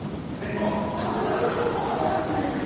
うんほんでそれのほうが高く売れんねやろ？